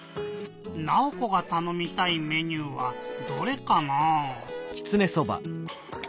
ナオコがたのみたいメニューはどれかなぁ？